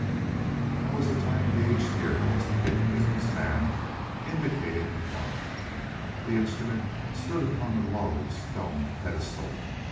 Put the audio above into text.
"How is the time gauged here?" asked the Big Business Man, indicating the clock. The instrument stood upon a low stone pedestal.